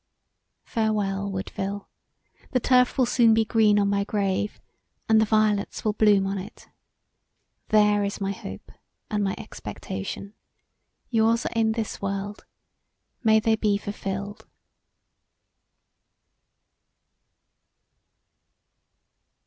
Farewell, Woodville, the turf will soon be green on my grave; and the violets will bloom on it. There is my hope and my expectation; your's are in this world; may they be fulfilled.